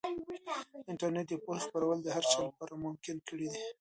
انټرنیټ د پوهې خپرول د هر چا لپاره ممکن کړي دي.